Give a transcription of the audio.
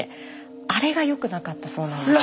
あれがよくなかったそうなんです。